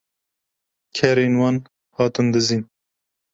kerên wan hatin dizîn